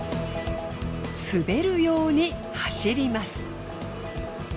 滑るように走ります。